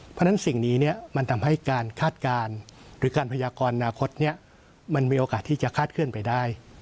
เพราะฉะนั้นสิ่งนี้มันทำให้การคาดการณ์หรือการพยากรอนาคตมันมีโอกาสที่จะคาดเคลื่อนไปได้